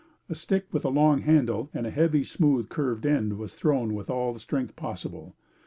A stick with a long handle and heavy smooth curved end was thrown with all the strength possible.